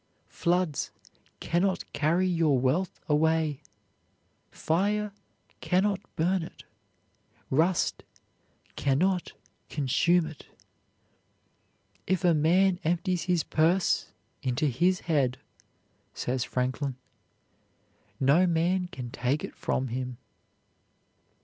Floods can not carry your wealth away, fire can not burn it, rust can not consume it. "If a man empties his purse into his head," says Franklin, "no man can take it from him.